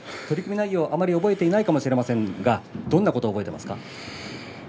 取組内容、覚えていないかもしれませんがどんなことを覚えていますか。